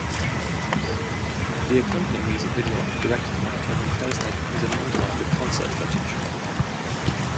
The accompanying music video, directed by Kevin Kerslake, is a montage of concert footage.